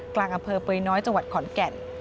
กลางอำเภอเปยน้อยจังหวัดขอนแก่น